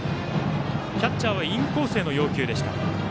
キャッチャーはインコースへの要求でした。